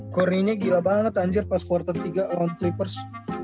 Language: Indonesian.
korni nya gila banget anjir pas quarter tiga lawan clippers